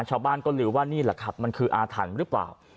ชาวบ้านก็ลือว่านี่แหละครับมันคืออาถรรพ์หรือเปล่า